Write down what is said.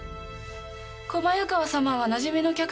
小早川様はなじみの客だからね。